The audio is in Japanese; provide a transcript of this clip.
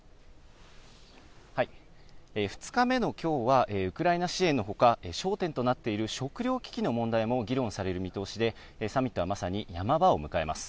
２日目のきょうは、ウクライナ支援のほか、焦点となっている食糧危機の問題も議論される見通しで、サミットはまさにヤマ場を迎えます。